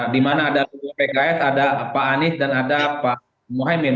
di mana ada pks ada pak anies dan ada pak muhammad haimin